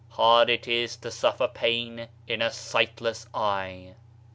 Hard it is to suffer pain in a sightless eye."